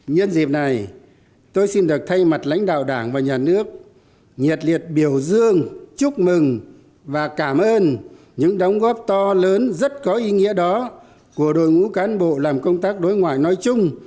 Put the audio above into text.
nhân dịp này tôi xin được thay mặt lãnh đạo đảng và nhà nước nhiệt liệt biểu dương chúc mừng và cảm ơn những đóng góp to lớn rất có ý nghĩa đó của đội ngũ cán bộ làm công tác đối ngoại nói chung